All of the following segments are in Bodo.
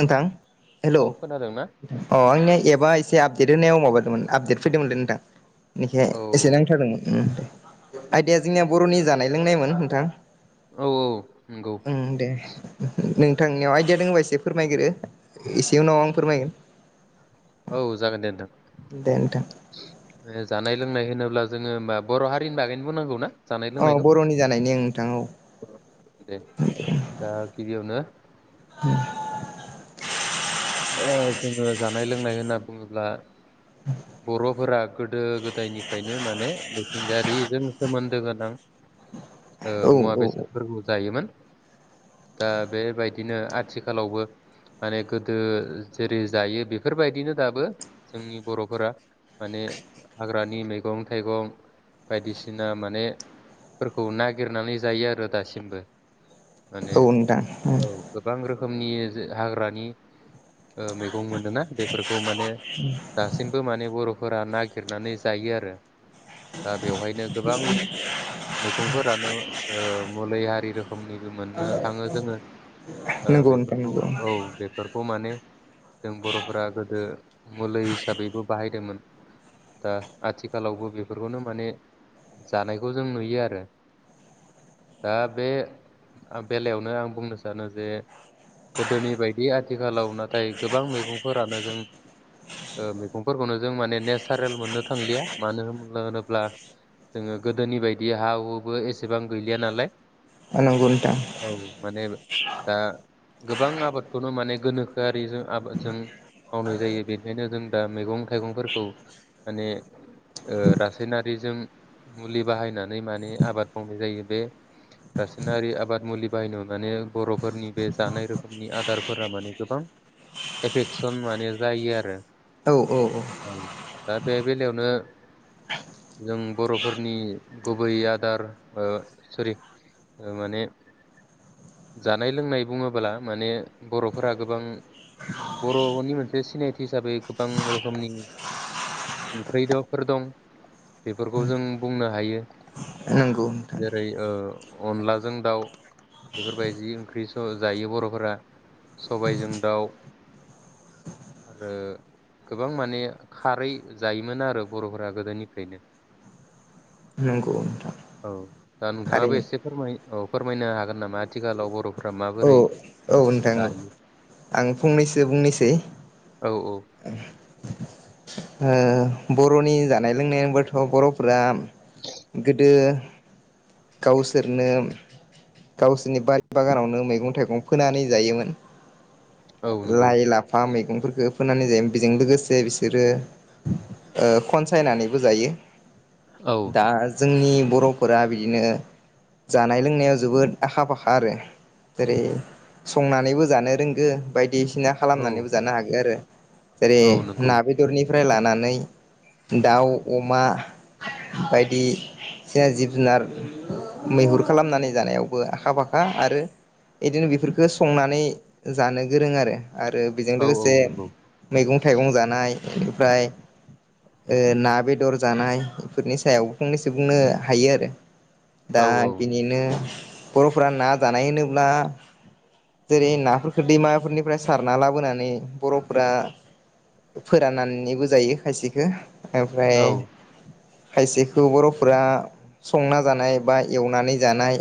नोंथां हेलौ औ खोनादों ना अ आंनिया एबा एसे आप गेदेनायाव माबादोंमोन आपडेट फैदोंमोनलै नोंथां। बेनिखाय औ एसे नांथादोंमोन उम। आयदाया जोंनिया बर'नि जानाय लोंनायमोन नोंथां। औ नंगौ अम दे नों थांनियाव आइदिया दोङोबा एसे फोरमायगोरो एसे उनाव आं फोरमायगोन। औ जागोन दे नोंथां। दे नोंथां। ओ जानाय लोंनाय होनोब्ला जोङो होमबा बर' हारिनि बागैनो बुंनांगौ ना? जानाय अ लोंनायखौ? बर'नि जानायनि ओं नोंथां दे दा गिबियावनो उम [inaudible] ओ जोङो जानाय-लोंनाय होनना बुङोब्ला बर'फोरा गोदो गोदायनिफ्रायनो माने मिथिंगायारिजों सोमोन्दो गोनां ओ औ औ मुवा औ बेसादफोरखौ जायोमोन। दा बेबायदिनो आथिखालावबो माने गोदो जेरै जायो बेफोरबायदिनो दाबो जोंनि बर' फोरा माने हाग्रानि मैगं-थाइगं बायदिसिना माने फोरखौ नागिरनानै जायो आरो दासिमबो। माने औ नोंथां औ गोबां रोख खोमनि जे हाग्रानि ओ मैगं मोनदों ना बेफोरखौ माने दा माने बर फोरा नागिरनानै जायो‌ आरो बेवहायनो गोबां मैगंफोरानो मुलि हारि रोखोमनिबो मोननो थाङो जोङो नंगौ नोंथां बेफोरखौ नंगौ औ बेफोरखौ माने जों बर'फोरा गोदो मुलै बाहायदोंमोन दा आथिखालावबो बेफोरखौनो माने जानायखौ जों नुयो आरो दा बे बेलायावनो आं बुंनो सानो जे गोदोनि बायदि आथिखालाव नाथाय गोबां मैगंफोरानो जों मैगंफोरखौनो जों माने नेथारेल मोननो थांलिया मानो होन होनोब्ला जोङो गोदोनि बायदि हा हुबो एसेबां गैलिया नाला। नंगौ नोंथां औ माने दा गोबां आबादखौनो माने गोनोखोआरिजों आबादजों मावनाय जायो बेनिखायनो जों दा मैगं थाइगंफोरखौ माने रासायनारिजों मुलि बाहायनानै माने आबाद मावनाय जायो बे रासायनारि आबाद मुलि बाहायनायाव माने बर'फोरनि बे जानाय रोखोमनि आदारफोरा माने गोबां एफेकसन माने जायो आरो। औ औ औ। दा बे बेलायावनो जों बर'फोरनि गुबै आदार सरि माने जानाय लोंनाय बुङोब्ला माने बर'फोरा गोबां बर'नि मोनसे सिनायथि हिसाबै गोबां रोखोमनि ओंख्रिफोर दं बेफोरखौ जों बुंनो हायो नंगौ नोंथां जेरै अनलाजों दाउ बेफोरबायदि ओंख्रि जायो बर'फोरा सबायजों दाउ आरो गोबां माने खारै जायोमोन आरो बर'फोरा गोदोनिफ्रायनो नोंगौ नोंथां औ दा नोंथाङाबो थारैनो एसे फोरमाय औ फोरमायनो हागोन नामा आथिखालाव बर'फोरा औ माबोरै औ नोंथां औ जायो। आं फंनैसो बुंनोसै। औ औ बर'नि जानाय लोंनाय होनबाथ' बर'फोरा गोदो गावसोरनो गावसोरनि बारि बागानावनो मैगं थाइगं फोनानै जायोमोन। औ नंगौ लाइ लाफा मै मैगंफोरफोरखौ फोनानै जायोमोन बेजों लोगोसे बिसोरो खनसायनानैबो जायो। औ दा जोंनि बर'फोरा बिदिनो जानाय लोंनायाव जोबोद आखा फाखा आरो जेरै संनानैबो जानो रोंगौ बायदि बायदिसिना औ खालामनानैबो जानो हागोन आरो जेरै औ नंगौ ना बेदरनि नानै दाउ अमा बायदिसिना जिब जुनार मैहुर खालामनानै जानायावबो आखा फाखा आरो बिदिनो बेफोरखो संनानै जानो गोरों आरो आरो बेजों औ औ लोगोसे नंगौ मैगं थाइगं जानाय [inaudible] ओमफ्राय ना बेदर जानाय बेफोरनि सायावबो फंनैसो बुंनो हायो आरो। औ दा औ बिनिनो बर'फोरा ना जानाय होनोब्ला जेरै नाफोरखौ दैमाफोरनिफ्राय सारना लाबोनानै बर'फोरा फोराननानै नैबो जायो खायसेखौ ओमफ्राय औ खायसेखौ बर'फोरा संना जानाय बा एवनानै जानाय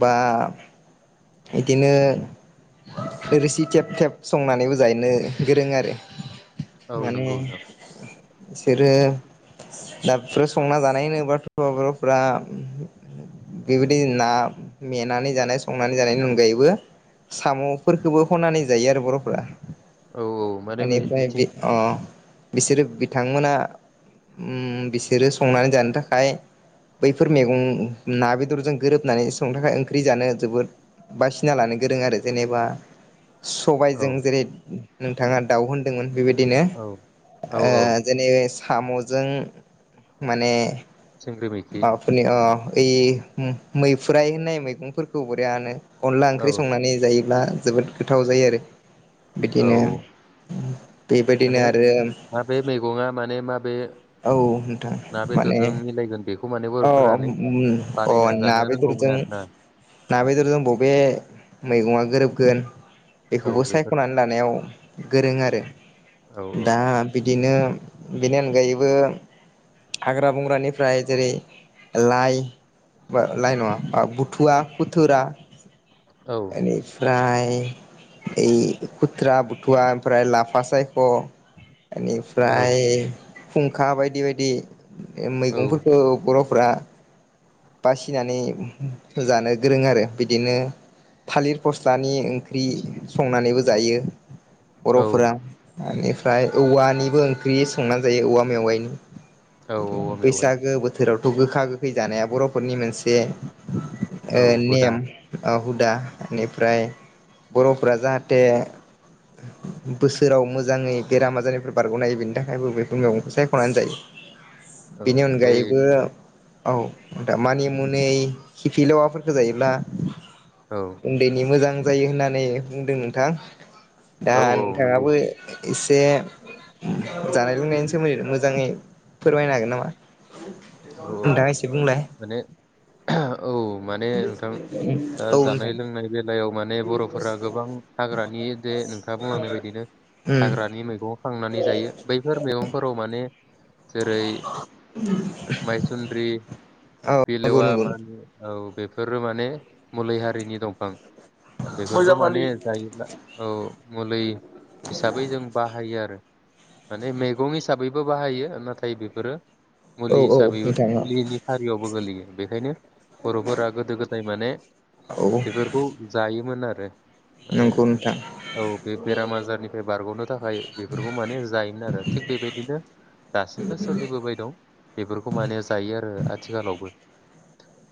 बा बिदिनो रोसि थेब थेब संनानैबो जानो गोरों आरो औ माने नंगौ नोंथां बिसोरो दाबफोर संना जानायनो होमबाथ' बर'फोरा बेबायदि ना, मेनानै जानाय संनानै जानायनि अनगायैबो साम'फोरखौबो खनानै जायो आरो बर'फ्रा औ औ माने एनिफ्राय मिथिं बि अ बिसोरो बिथांमोना बिसोरो संनानै जानो थाखाय बैफोर मैगं ना बेदरजों गोरोबनानै संनो ओंख्रि जानो जोबोद बासिना लानो गोरों आरो जेनेबा औ सबायजों जेरै नोंथाङा दाउ होनदोंमोन बेबायदि बिदिनो औ औ औ ओ जेने साम'जों माने सिंग्रि [unintelligible] मैखि अ ओइ मैफ्रुराय होननाय मैगंफोरखौ बरियानो अनला औ ओंख्रि संनानै जायोब्ला जोबोद गोथाव जायो आरो औ बिदिनो बेबायदिनो माने आरो माबे मैगङा माने माबे औ नोंथां ना माने बेदरजों मिलायगोन बेखौ माने अ बर'फोरानो अ बानायना ना जानो रोंगौमोन बेदरजों आरोना ना बेदरजों बबे मैगंआ गोरोबगोन औ बेखौबो बेफोर सायख'नानै लानायाव गोरों आरो औ औ दा बिदिनो बिनि अनगायै हाग्रा बंग्रानिफ्राय जेरै लाइ बा लाइ नङा बा बुथुवा खुथुरा औ बेनिफ्राय ओइ खुथ्रा बुथुवा ओमफ्राय लाफा सायख' औ बेनिफ्राय फुंखा बायदि बायदि ए औ मैगंफोरखौ गफ [unintelligible] बासिनानै जानो गोरों आरो बिदिनो थालिर फस्लानि ओंख्रि संनानैबो जायो औ बर'फोरा बेनिफ्राय औवानिबो ओंख्रि संनानै जायो औवा मेवाइनि औ औवा मेवाइ बैसागो बोथोराव खौ गोखा गोखै जानाय न'खरनि मोनसे औ हुदा लेम ओ हुदा एनिफ्राय बर'फोरा जाहाथे बोसोराव मोजाङै बेराम आजारनिफोर बारग'नो हायो बेनि थाखायबो बेफोर मेगंखौ सायख'नानै जायो। औ बिनि बै अनगायैबो औ दा मानि मुनै खिफिलेवाफोरखो जायोब्ला औ उन्दैनि मोजां जायो होनना नै बुंदों नोंथां। दा औ औ नंगौ नोंथाङाबो इसे उम जानाय लोंनायनि सा [unintelligible] मोजाङै फोरमायनो हागोन नामा? औ औ दा एसे बुंलाय। माने औ माने नोंथां दा औ नोंथां जानाय लोंनाय बेलायाव माने बर'फोरा गोबां हाग्रानि जे नोंथाङा बुंलांनाय बायदिनो उम हाग्रानि मैगं खांनानै जायो बैफोर मैगंफोराव माने जेरै माइसुन्द्रि औ नंगौ खिफिलेवा नंगौ मानि ओ औ बेफोरो माने मुलि हारिनि दंफां। बेफोरखौ माने जायोब्ला औ। मुलै हिसाबै जों बाहायो आरो। माने मैगं हिसाबैबो बाहायो नाथाय बेफोरो औ मुलि औ हिसाबैबो नोंथां मुलिनि हारियावबो गोलैयो बेखायनो बर'फोरा गोदो गोद दाय माने औ बेफोरखौ जायो मोन आरो। माने नंगौ नोंथां औ बे बेराम आजारनि बे बारगनो थाखाय बेफोरखौ माने जायोमोन आरो थिग बेबायदिनो दासिमबो सोलिबोबाय दं। बेफोरखौ माने जायो आरो आथिखालावबो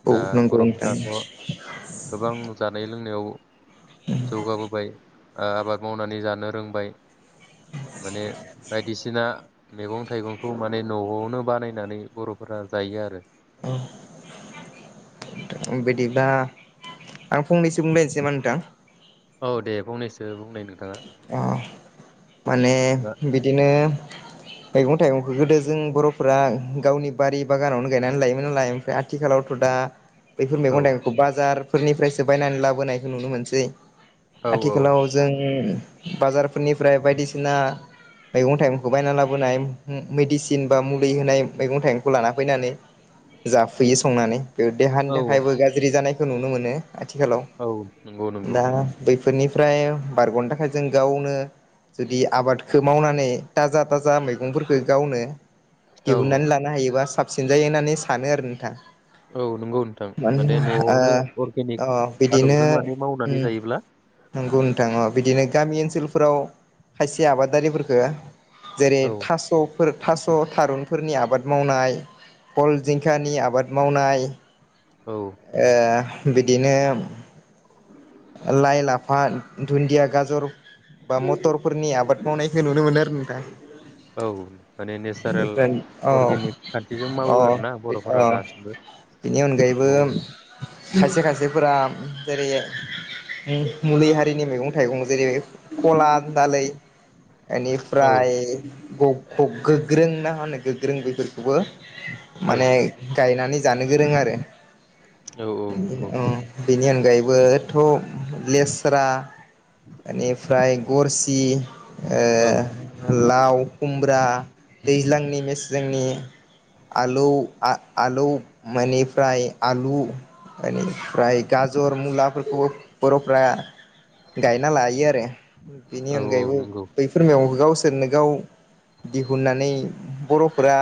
औ दा नंगौ नोंथां बर'फोराथ' गोबां जानाय लोंनायाव जौगाबोबाय। ओ आबाद मावनानै जानो रोंबाय माने बायदिसिना मैगं थाइगंखौ माने नआवनो बानायना नानै बरफोरा जायो आरो। बिदिब्ला आं फंनैसो बुंलायनोसैमोन नोंथां। औ दे फंनैसो बुंनाय नोंथाङा। अ। माने बा बिदिनो मैगं थाइगंखौ गोदो जों बरफोरा गावनि बारि बागानावनो गायनानै लायोमोन नालाय ओमफ्राय आथिखालावथ दा बैफोर औ मैगं थाइगंखौ बाजार फोरनिफ्रायसो बायनानै लाबोनायखौ नुनो मोनसै। औ आथिखालाव जों बाजारफोरनि फ्राय बायदिसिना मैगं थाइगंखौ बायना लाबोनाय मेडिसिन बा मुलि होनाय मैगं थाइगंखौ लाना फैनानै जाफैयो संनानै बेयाव देहानि औ थाखायबो गाज्रि जानाय जों नुनो मोनो आथिखालाव औ नंगौ नंगौ दा बै फोरनिफ फ्राय बारग'नो थाखाय जों गावनो। जुदि आबादखो मावनानै थाजा-थाजा मैगंफोरखो गावनो। औ दिहुननानै लानो हायोबा साब सिनजायो होननानै सानो आरो नोंथा। औ नोंगौ नोंथां माने न'आवनो ओ अ अर्गेनिक आदबजों माने मावनानै जायोब्ला। नोंगौ नोंथां अ बिदिनो गामि ओनसोलफोराव खायसे आबादारि फोरफोरखो जेरै औ थास'फ फोर थास' थारुनफोरनि आबाद मावनाय कल जिंखानि आबाद मावनाय। ए। औ बिदिनो लाइ लाफा दुन्दिया गाजर बा मथरफोरनि आबाद मावनायखो नुनो मोनो आरो नोंथां। औ माने नेचारेल औ अर्गेनिक खान्थिजों अ मावो आरोना अ बर'फोरा दासिमबो बेनि अनगायैबो न'आवद खायसे खायसेफोरा बेरै। अम मुलि हारिनि मैगं थायगं जेरै खला दालै। औ इनिफ्राय। गग गगगो ग्रोना मा होना गोग्रों बेफोरखौबो। माने औ गायनानयनैज जानो गोरों आरो। औ औ नंगौ अ। बेनि अनगायैबोद खौ लेस्रा इनिफ्राय गरसि। औ ओ लाव। अख खुमब्रा दैल्जांनि मेसेंनि आलौ आ आलौब मोनेफ्राय आलु ओनिफ्राय गाजर मुलाफोरख बर'फोरा। गायना लायो आरो बेनि औ अनगायैबो नंगौ बैफोर मवाव गावस सोरनो गाव दिहुननानै बर'फोरा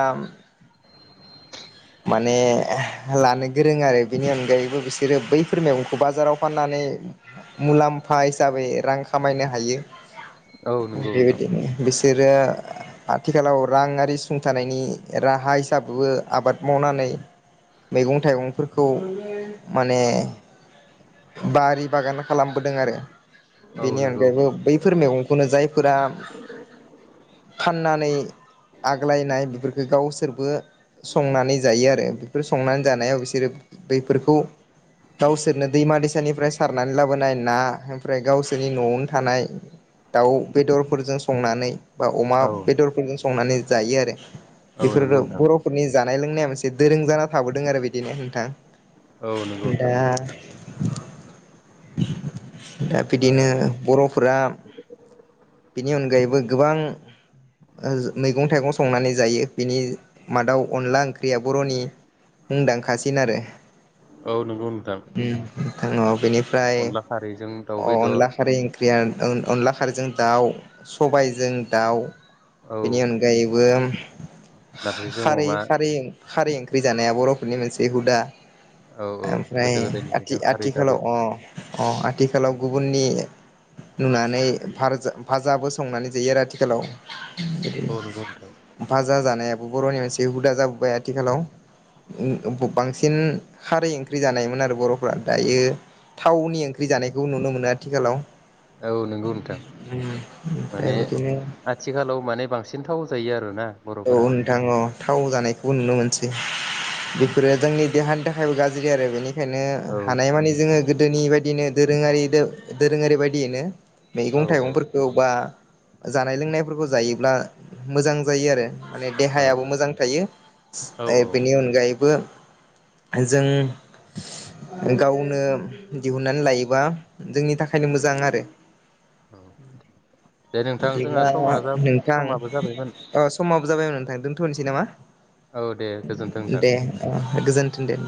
माने लानो गोरों आरो बिनि अनगायैबो बिसोरो बैफोर मैगंखौ बाजारावब फाननानै मुलाम्फा हिसाबै रां खामायनो हायो। औ नंगौ नोंथां बेबायदिनो गोस जिरो आथिखालाव राङारि नि राहा हिसाबबो आबाद मावनानै मैगं थाइगंफोरख खौ माने। बारिफ बागान खालामबोदों आरो औ बेनि नंगौ अनगायैबो बैफोर मैगंखौनो जायफोरा फाननानै आग्लायनाय बेफोरखो गावसोरबो संनानै जायो आरो। फोर संनान जानायाव बिसोरो बेफोरखौ गावसोरनो दैमा दैसानिफ्राय सारनानै लाबोनाय ना ओमफ्राय गावसोरनि न'आवनो थानाय दाउ बेदरफोरजों संनानै बा अमा औ बेदरफोरजों सं संनानै जायो आरो औ बेफोरो नंगौ नोंथां बर'फोरनि जानाय लोंनाया एसे दोरों जाना थाबोदों आरो बिदिनो नोंथां औ नंगौ दा नोंथां [unintelligible] दा बिदिनो ओ बर'फोरा बिनि अनगायैबो गोबां ओ मैगं थाइगं संनानै जायो बिनि मादाव अनला ओंख्रि [unintelligible] बर'नि मुंदांखासिन आरो औ नंगौ नोंथां बेनिफ्राय अनला खारैजों दाउ बेदर अनला खारै ओं अन अनला खारैजों दाउ सबायजों दाउ औ बेनि अनगायैबो नारजिजों खारै अमा खारै खारै ओंख्रि जानाया बर'फोरनि मोनसे हुदा। औ औ गोदो गोदायनि थि आथिखालाव अ अ आथिखालाव गुबुननि नुनानै भारजा भाजाबो संनानै जायो आरो आथिखालाव औ नंगौ नोंथां [unintelligible] जा जानायाबो बर'नि मोनसे हुदा जाबोबाय आथिखालाव बांसिन खारै ओंख्रि जानायोन आरो बर' फ्रा दायो थावनि ओंख्रि जानायखौ नुनो मोनो आथिखालाव औ नंगौ नोंथां ओमफ्राय माने बिदिनो आथिखालाव माने बांसिन थाव जायो आरो नोंथां। औ नोंथां औ। थाव जानायखौबो नुनो मोनसै बेफोरो जोंनि देहानि थाखायबो गाज्रि आरो बेनि बेखायनो औ हानायमानि जोङो गोदोनि बायदिनो दोरोङारि दोरोङारि बायदियैनो औ मैगं थाइगंफोरखौ बा जानाय लोंनायफोरखौ जायोब्ला मोजां जायो आरो माने औ देहायाबो मोजां थायो औ बेनि अनगायैबो जों गावनो दिहुननानै लायोबा जोंनि थाखायनो मोजां आरो। औ। दे नोंथां जोंहा बिदिब्ला समा जा नोंथां समाबो जाबायमोन ओ समा जाबाय नोंथां दोनथ'नोसै नामा? औ दे गोजोन्थों नोंथां दे गोजोन थों दे।